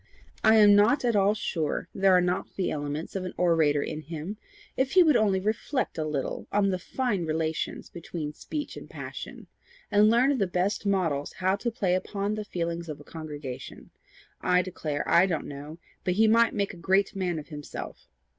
I am not at all sure there are not the elements of an orator in him, if he would only reflect a little on the fine relations between speech and passion, and learn of the best models how to play upon the feelings of a congregation. I declare I don't know, but he might make a great man of himself.